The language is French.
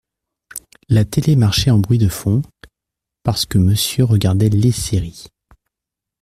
La télé marchait en bruit de fond, parce que monsieur regardait les séries